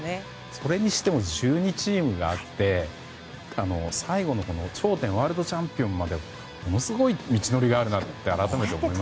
それにしても１２チームあって最後の頂点ワールドチャンピオンまでものすごい道のりがあるなと感じます。